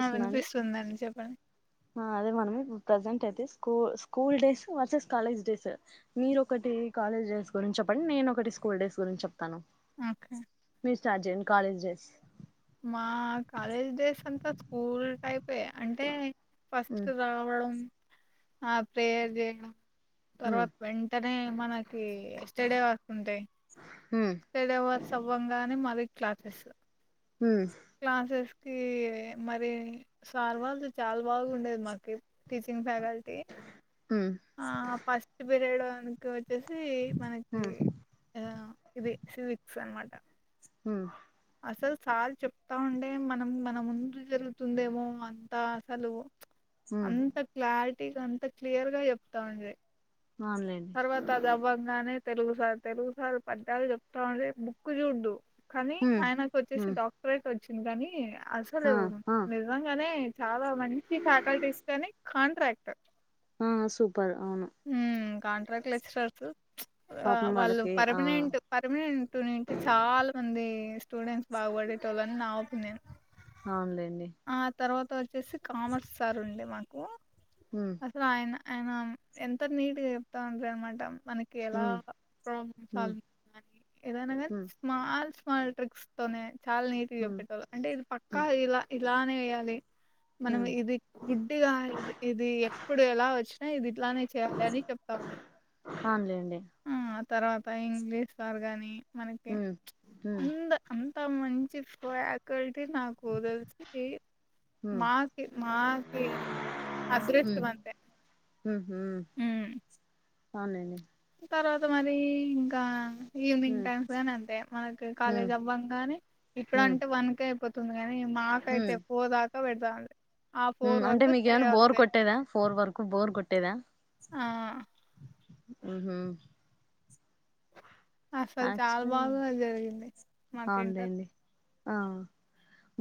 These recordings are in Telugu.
ఆ అండి వినిపిస్తుందండి చెప్పండి ఆ అదే మనం ఇప్పుడు ప్రజెంట్ అయితే స్కూ school days versus college days మీరు ఒకటి కాలేజ్ డేస్ గురి చెప్పండి నేను ఒకటి స్కూల్ డేస్ గురించి చెప్తాను ఓకే మీరు స్టార్ట్ చేయండి కాలేజ్ డేస్ మా కాలేజ్ డేస్ అంతా స్కూల్ టైపే అంటే ఫస్ట్ మ్మ్ రావడం ఆ ప్రేయర్ చేయడం మ్మ్ తర్వాత వెంటనే మనకి స్టడవర్స్ ఉంటాయి మ్మ్ స్టడవర్స్ అవ్వంగానే మరి క్లాసెస్ క్లాస్ [inaudible] మరి సార్ వాళ్ళ చాలా బాగు ఉండేది మాకి టీచింగ్ ఫ్యాకల్టీ మ్మ్ ఆ ఫస్ట్ పీరియడ్నికి వచ్చేసి మనకి మ్మ్ ఆ ఇది సివిక్స్ అనమాట ఉమ్ అసలు సార్ చెప్తా ఉండే మనం మన ముందు జరుగుతుందేమో అంతా అసలు మ్మ్ మ్మ్ అంత క్లారిటీగా అంత క్లియర్ గా చెప్తావుంటాడు అవునులేండి తర్వాత అది అవ్వంగానే తెలుగు సార్ తెలుగు సార్ పద్యాలు చెప్తావుంటే బుక్కు చూడ్డునీ మ్మ్ ఆయనకు వచ్చేసి మ్మ్ డాక్టరేట్ వచ్చింది కానీ అసలు ఆ ఆ నిజంగానే చాలా మంచి ఫ్యాకల్టీ ఇస్తేనే కాంట్రాక్ట్ర్ ఆ సూపర్ అవును ఉమ్, కాంట్రాక్ట్ లెక్చరర్స్ ఆ పాపం వాళ్ళు వాళ్ళకి ఆ పర్మనెంట్ పర్మనెంట్ నింటే చాలా మంది స్టూడెంట్స్ బాగుపడేటళని నా ఒపీనియన్ అవునులేండి అ వచ్చేసి కామర్స్ సార్ ఉండే మాకు మ్మ్ అసలు ఆయన అయన ఎంత నీట్గా చెప్తా ఉండది అనమాట మనకి ఎలా మ్మ్ ప్రాబ్లమ్ మ్మ్ సాల్వ్ని ఏదనా మ్మ్ స్మాల్ స్మాల్ టక్ తోనే చాలా నీటిగా మ్మ్ చెప్పేటోలి అంటే ఇది పక్కా మ్మ్ ఇలా ఇలానే వీయాలి మనం మ్మ్ ఇది గుడ్డిగా ఇది ఎప్పుడు ఎలా వచ్చినా ఇది పట్లా అ [unintelligible] చెప్పత ఉంటాడు అవునులేండి తర్వాత ఇంగ్లీష్ సార్ గాని మనకి మ్మ్ అ మ్మ్ ంత మంచి ఫ్యాకల్టీ నాకు తెలిసింది మ్మ్ మాకి మాకి మ్మ్ అదృష్టమంత హ్మ్ అవునండి తర్వాత మరి ఇంకా ఈవినింగ్ హ్మ్ టైమ్స్ గాని అంతే మనకి హ్మ్ కాలేజ్ అవ్వం గానీ ఇప్పుడు హ్మ్ అంటే వన్కే అయిపోతుంది ని మాకయితే పోదాకా పెడతాంి ఉమ్ అంటే మీకు ఏమన్నా బోర్ కొట్టేదా ఫోర్ వరకు బోర్ కొట్టేదా ఆ అహ అసలు చాలా బాగా జరిగింది మాకు ఇంటర్ అవులేనండి ఆ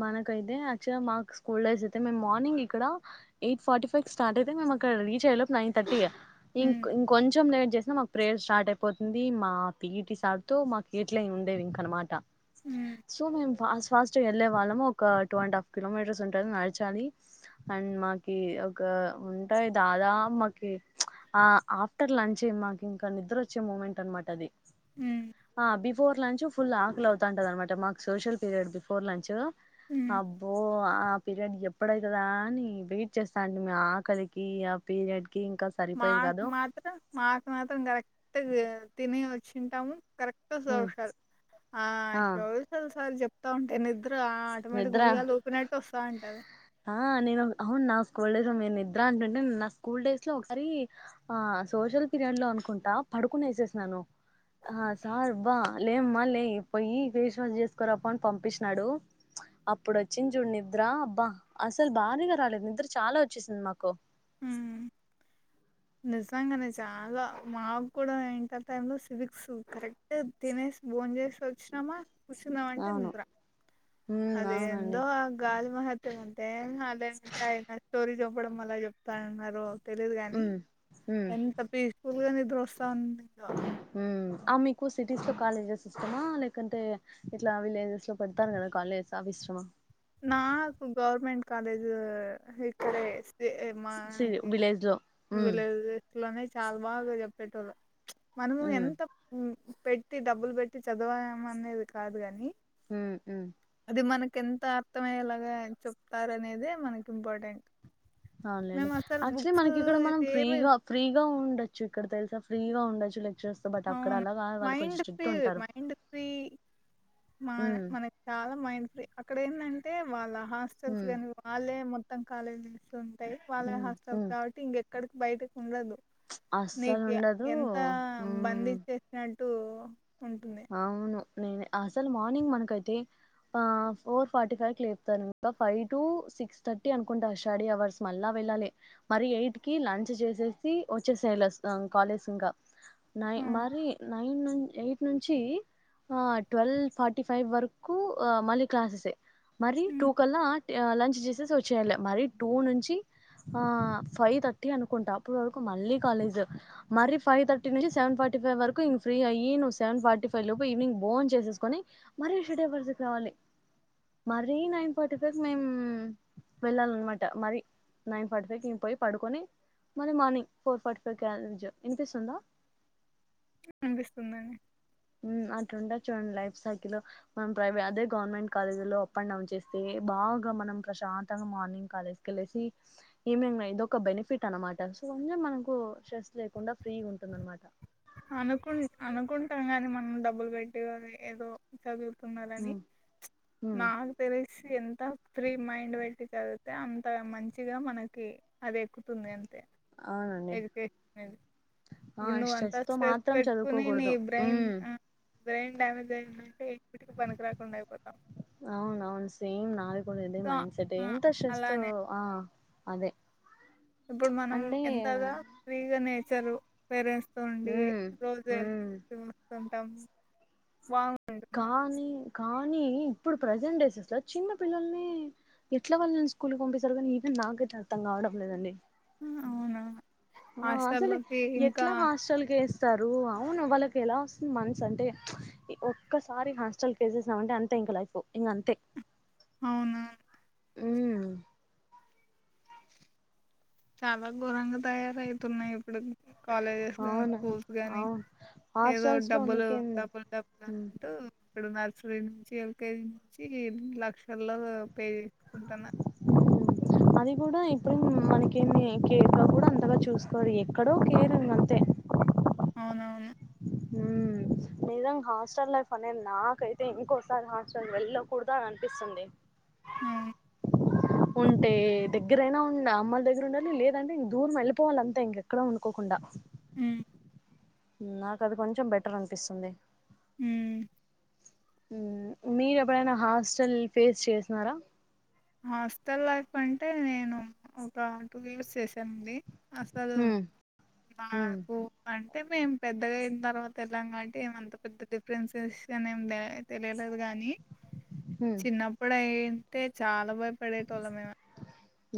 మనకైతే యాక్చువల్గా మాకు స్కూల్ డైస్ అయితే మేము మార్నింగ్ ఇక్కడ ఎయిట్ ఫార్టీ ఫైవ్ స్టార్ట్ అయితే మేము అక్కడ రీచ్ అయిలోపు నైన్ తర్టీ ఉమ్ ఇక కొంచెం లేేట్ చేసినా మాకు ప్రేయర్ స్టార్ట్ అయిపోతుంది మా పిఈటి సార్తో మాకు ఎట్ల ఉండేది ఇంక అనమాట ఉమ్ సు మేమ్ పాస్ ఫాస్ట్గా వెళ్ళే వాళ్ళము ఒక టూ అండ్ హాఫ్ కిలోమీటర్స్ ఉంటు నడిచాలి అండ్ మా ఒక ఉంటాయి దాదా మకి ఆ ఆఫ్టర్ లంచ్ మాకు ఇంకా నిద్ర వచ్చే మూమెంట్ అనమాట అది ఉమ్ ఆ బిఫోర్ లంచ్ ఫుల్ ఆకులి అవుతాంటది అనమాట మాకు సోషల్ పీరియడ్ బిఫోర్ లంచ్ ఉమ్ అబో ఆ పీరియడ్ ఎప్పుడై కదా అని వెయిట్ చేస్తా అండి మీ ఆకలికి ఆ పీరియడ్ కి ఇంకా సరిపోయేది మాకు కాదు మాత్రం మాకు మాత్రం డరెక్ట్ తిని వచ్చింటాము కరెక్ట్ సోషల్ ఆ సోషల్ సార్ చెప్తా ఉంటే నిద్ రా ఆటోమేటిక్ నిద్ర ఉయ్యాల ఉపిన వస్తా ఉంటది ఆ నేను అవును నా స్కూల్ డేస్ నిద్ర అంటంటే నా స్కూల్ డేస్ లో ఒకసారి సోషల్ పీరియడ్ లో అనుకుంటా పడుకునే తీసేసినాను ఆ సార్ బా లేమ్మా లే పోయి ఫేస్ వాష్ చేసుకోరాపొ అని పంపిించినాడు అప్పుడు వచ్చింది చూడు నిద్ర అబ్బా అసలు భారిగా రాలేదు నిద్ర చాలా వచ్చేసింది మాకు మ్ [inaudible] నిజంగానే చాలా మాకు కూడా ఏంటర్ టైమ్ లో సివిక్స్ కరెక్ట్ తినేసి భోంచేసి వచ్చినామా కూర్చుందాంటే అవును నిద్ర ఉమ్ అది ఎందొ అవునండి ఆ గగాలి మహిత్వ [unintelligible] చెప్పడం మళ్లీ చెప్తాన్నారు తెలిదు గాని ఉమ్ ఉమ్ ఎంత పీస్ఫుల్ గా నిద్ర వస్తూ సంధ్య ఉమ్ ఆ మీకు సిటీస్ లో కాలేజెస్ ఇష్టమా లేకంటే ఇట్లా విలేజెస్ లో పెడతారు కదా కాలేజ్ అవి అమ నాకు గవర్మెంట్ కాలేజ్ ఇక్కడేస్ మా సి విలేజ్ లో ఉమ్ విలేజెలోనే చాలా బాగా చెప్పేటోళ్లు మనము ఉమ్ ఎంత పెట్టి డబ్బులు పెట్టి చదవం అనేది కాదు గాని మ్ మ్ మనకి ఎంత అర్థమయ్యేలాగా చెప్తారు అనేద మనకి ఇంపార్టెంట్ అవునులేండి మేము అసలు యాక్చువలీ బుక్స్ మనకి ఇక్కడ మనం ఇవేమి ఫ్రీగా ఫ్రీగా ఉండొచ్చు ఇక్కడ తెలుసా ఫ్రీగా ఉండొచ్చు లెక్చరర్స్ తో బట్ అక్కడ అవును అలా కాదు వాళ్ళు కొంచెం మైండ్ స్ట్రిక్ట్ ఫ్రీ ఉంటారు మనకింకా ఫ్రీ మా హ్మ్ మనకి చాలా మైండ్ ఫ్రీ అక్కడ అంటే వాళ్ళ హాస్టల్స్ హ్మ్ కాని వాళ్ళే మొత్తం కాలేజీ ఇస్తుంది వాళ్ళ హ్మ్ హాస్టల్ హ్మ్ కాబట్టి ఇంకెక్కడికి బయటకి ఉండదు అస్సలు నీకు ఉండదు ఎంత హ్మ్ చేసినట్టు అవును నేను అసలు మార్నింగ్ మనకైతే ఫోర్ ఫార్టీ ఫైవ్ క లేపుతారు ఇ ఫైవ్ టు సిక్స్ థర్టీ అనుకుంటారు స్టడీ అవర్స్ మళ్ళా వెళ్ళాలి మరి ఎయిట్ కి లంచ్ చేసేసి వచ్చేసేయళ కాలేజ్ ఇంకా నైన్ ఉమ్, మరి నైన్ నుంచి ఎయిట్ నుంచి ఆ ట్వెల్వ్ ఫార్టీ ఫైవ్ వరకు మళ్ళీ క్లాసెస్ే మరి టూ ఉమ్, కల్లా లంచ్ చేసేసి వచ్చేయలే మరి టూ నుంచి ఆ ఫైవ్ థర్టీ అనుకుంటా అప్పటి వరకు మళ్ళీ కాలేజ్ మరీ ఫైవ్ థర్టీ నుంచి సెవెన్ ఫార్టీ ఫైవ్ వరకు ఇ ఫ్రీ అయ్యి సెవెన్ ఫార్టీ ఫైవ్ లోపు ఈవవినింగ్ బోన్ చేసేసుకొని మరీ షడేవర్స్ రావాలి మరీ నైన్ ఫార్టీ ఫైఫ్ మేమ్ వెళ్ళాలన్నమాట మరి నైన్ ఫార్టీ ఫైవ్ మేమ్ పోయి పడుకొని మళ్ళీ మార్నింగ్ ఫోర్ ఫార్టీ ఫైవ్కి లంచ్ వినిపిస్తుందా వినిపిస్తుందండి అట్లు ఉంటది చూడండి లైఫ్ సైకిల్ మనం ప్రైవే అదే గవర్నమెంట్ కాలేజీ లో అప్ అండ్ డౌన్ చేస్తే బాగా మనం ప్రశాంతంగా మార్నింగ్ కాలేజ్ కెళ్ళేసి ఇవ్ నిగ్ నై ఇదోక బెనిఫిట్ అనమాట మనకు స్ట్రెస్ లేకుండా ఫ్రీ గుంటుందనమాట అనుకు అనుకుంటాం గాని మనం డబ్బులు పెట్టి ఏదో చదువు తున్న లని మ్, మ్, నాకు తెలిసి ఎం త ఫ్రీ మైండ్ వెట్టి చదివితే అంత మంచిగా మనకి అది ఎక్కుతుంది తె అవునండి ఎదిపె మీది ఆ ఇప్పుడు నువ్వ అన్ తో స్ట్రెస్ మాత్రం పెట్టుకుని నీ చదువుకోకూడదు బ్రెయిన్ ఉమ్ అ బ్రెయిన్ డ్యామేజ్ అయ్యందంటే పనికి రాకుండ అయిపోతం అవునవును సేమ్ నాది కూడా ఇదే సో మైండ్ సెట్ ఎంత స్ట్రెస్ తో అలానే ఆ అదే ఇప్పుడు మనం అంటే ఎంత గ ఫ్రీగా నేర్చారు పేరెంట్స్ స్తుండి ఉమ్ రోజు ఉమ్ చూస్తుంటాము వాంగ్ కానీ కానీ ఇప్పుడు ప్రెజెంట్ డేసెస్ లో చిన్న పిల్లల్నే ఎట్ల వాళ్ళని స్కూల్కి పంపిస్తారో కానీ ఈవెన్ నాకైతే అర్థం కావడం లేదండి అవునా ఆ అసలు హాస్టల్లోకి ఇంకా ఎట్లా హాస్టల్ కి వేస్ తరు అవును వాళ్ళకి ఎలా వస్తుంది మనసు అంటే ఒక్కసారి హాస్టల్ కేసెస్ మంటే అంతే ఇంక లైఫ్ ఇంక అంతే అవునా హ్మ్ చాలా ఘోరంగా తయారయితున్నాయి ఇప్పుడు కాలేజెస్ గానీ అవును స్కూల్స్ గానీ అవును ఏదో హాస్టల్స్ లో డబ్బులు నీకేం డబ్బుల్ డబ్బుల్ అంటూ ఇప్పుడు నర్సరీ నుంచి ఎల్కేజీ నుంచి లక్షల్లో పే జెస్కుంటన అ అది కూడా ఇప్పుడు మనకేమి కేర్ గ కూడా అంతగా చూసుకోరు ఎక్కడో కేరింగ్ అంతే అవునవును హ్మ్ నిజంగ హాస్టల్ లైఫ్ అనేద్ నాకైతే ఇంకోసారి హాస్టల్ వెళ్ళకూడదు అని అనిపిస్తుంది హ్మ్ [inaudible] ఉంటే దగ్గరైనా ఉ అమ్మ అల్ దగ్గర ఉండాలి లేదంటే ఇంక దూరం వెళ్ళిపోవాలి అంతే ఇంకెక్కడ ఉండుకోకుండా హ్మ్ నాకు అది కొంచెం బెటర్ అనిపిస్తుంది మ్మ్ మ్ మీరు ఎప్పుడైనా హాస్టల్ ఫేస్ చేసినర హాస్టల్ లైఫ్ అంటే నేను ఒక టూ ఇయర్స్ చేశానండి అసలు ఉమ్ ఉమ్ మాకు అ మేం పెద్దగా అయిన తర్వాత ఎళ్ళాం కాబటి ఏం అంత పెద్ద డిఫరెన్స్సెషన్ ఏం దెలె తెలియలేదు గానీ ఉమ్ చిన్నప్పుడు అయితే చాలా భ పడే టోల్లం మేమే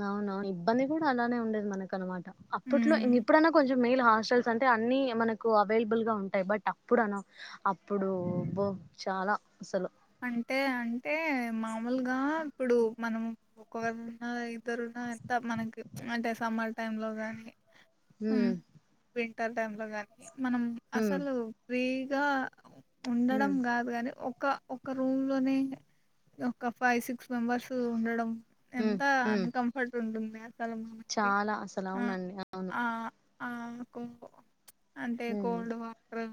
అవునవును ఇబ్బంది కూడా అలానే ఉండేది మనకనమాట అప్పట్లో ఉమ్ ఇంక ఇప్పుడైనా కొంచె మేల్ హాస్టల్స్ అంటే అన్ని మనకు అవైలబుల్ గా ఉంటాయ్ బట్ అప్పుడు అప్పుడు బో ఉబ్ చాలా అసలు అంటే అంటే మామూలుగా ఇప్పుడు మనం ఒక వేళ ఉన్న ఇద్దరున్న ఎంత మనకి అంటే సమ్మర్ టైమ్ లో గాని హ్మ్ క్క టైం లో గాని మనం అసలు ఫ్రీగా ఉండడం ఉమ్ గాదు గాని ఒక ఒక రూమ్ లోనే ఒక ఫైవ్ సిక్స్ మెంబర్స్ ఉండడం ఉమ్ ఎంత ఉమ్ అన్‌కంఫర్ట్ ఉంటుంది అసలు మనకి చాలా అసలు ఆ అవునండి అవును ఆ ఆ కొ కొ అంటే ఉమ్ కోల్డ్ వాటర్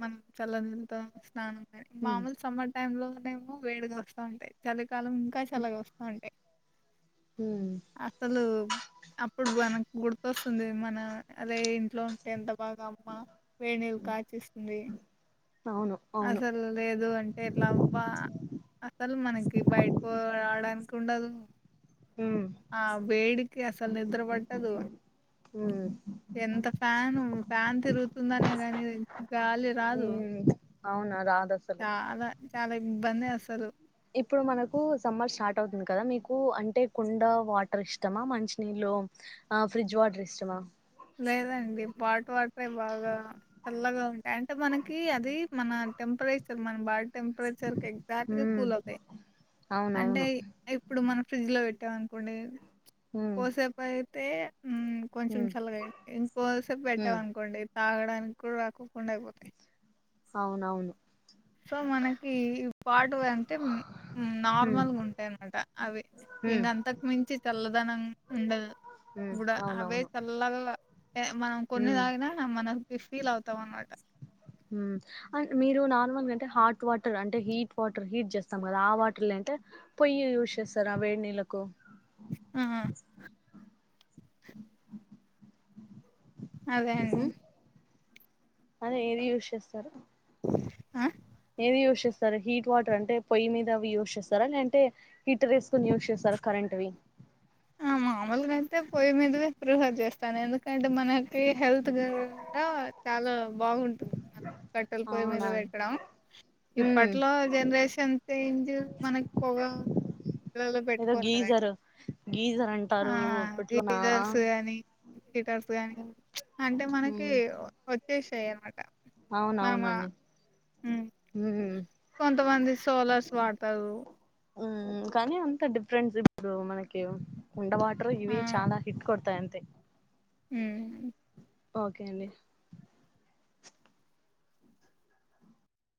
మనం చల్లనీళ్లతో స్నానం కా ఉమ్ మామూలు సమ్మ ర్ లోనేమో వేడిగా వస్తా ఉంటాయి చలికాలం ఇంకా చల్లగా వస్తా ఉంటాయి ఉమ్ అసలు అప్పుడు మనకు గుర్తొస్తుంది మన అదే ఇంట్లో ఉంటే ఎంత బాగమ్మ వేడి నీళ్లు కాచిస్తుంది అవును అవును అసలు లేదు అంటే ఇట్లా అబ్బా అసలు మనకి బయట రాడానికి ఉండదు ఉమ్ ఆ వేడికి అసలు నిద్ర పట్టదు ఉమ్ ఎంత ఫ్యాను ఫ్యాన్ తిరుగుతుందనే కానీ గాలి రాదు ఉమ్ అవునా రాదు అసలు చాలా చాలా ఇబ్బంది అసలు ఇప్పుడు మనకు సమ్మర్ స్టార్ట్ అవుతుంది కదా మీకు అంటే కుండ వాటర్ ఇష్టమా మంచినీళ్ళు ఆ ఫ్రిడ్జ్ వాటర్ ఇష్టమా లేదండి పాట్ వాటరే బాగా చల్లగా ఉంటాయి అంటే మనకి అది మన టెంపర రేచర్ మన బాడి టెంపరేచర్ ఎగ్జాక్ట్ గా హ్మ్ కూల్ అవుతాయి అంటే అవునవును ఇప్పుడు మన ఫ్రిడ్జ్ లో పెట్టామనుకోండి కొద్దిసేపు అయితే ఉమ్ ఇంకొద్దిసేపు పెట్టామనుకోండి తాగడానికి కూడా రాకోకుండా అయిపోతాయి అవునవును సో మనకి ఈ పాట్ వి అంటే హ్మ్ నార్మల్గా ఉంటాయన్నమాట అవి హ్మ్ ఇంగ అంతకు మించి చల్లదనం ఉండదు హ్మ్ కూడా అవే అవునవును చల్లగా మనం కొన్ని హ్మ్ తాగిన మనకి ఫీల్ అవుతాం అనమాట ఉమ్ మీరు నార్మల్గా అంటే హాట్ వాటర్ అంటే హీట్ వాటర్ హీట్ చేస్తాం కదా ఆ వాటర్లుంటే పొయ్యి యూజ్ చేస్తారా వేడి నీళ్లకు ఆ అదే అండి అవే ఏది యూజ్ చేస్తారు ఆ ఏది యూజ్ చేస్తారు హీట్ వాటర్ అంటే పొయ్యి మీద యూజ్ చేస్తారా లేదంటే హీటర్ వేసుకొని యూజ్ చేస్తారా కరెంట్ ఉంటవి మాములుగా అయితే పొయ్యి మీద వే ప్రిఫర్ చేస్తాను ఎందుకంటే మనకి హెల్త్ ఖర అవ్వకుండా చాలా బాగుంటుంది కట్టెల పొయ్యి మీద అవునా పెట్టడం హ్మ్ ఇప్పట్లో జనరేషన్ చేంజ్ మనకి పొగ ఉమ్ పిల్లల్లో ఏదో పెట్టుకోరు కదండి గీజర్ గీజర్ ఆ అంటారు అప్పట్లోనా లీడర్స్ గానీ హీటర్స్ గాని ప్చ్ అంటే మనకి హ్మ్ వచ్చేసాయ అనమాట మనం ఆ, అవునవునండి ఉమ్, ఉమ్ కొంతమంది సోలార్స్ వాడతారు ఉమ్ కానీ అంత డిఫరెంట్స్ ఇప్పుడు మనకి ఉండ వాటర్ ఆ ఇవి చాలా హిట్ కొడతాయి అంత తే ఉమ్ ఓకే అండి